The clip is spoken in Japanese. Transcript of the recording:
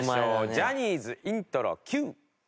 ジャニーズイントロＱ！